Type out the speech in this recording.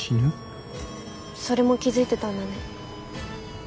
それも気付いてたんだね。